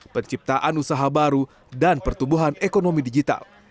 penciptaan usaha baru dan pertumbuhan ekonomi digital